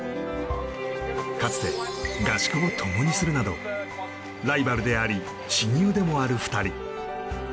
かつて合宿を共にするなどライバルであり親友でもある２人。